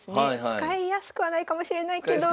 使いやすくはないかもしれないけど。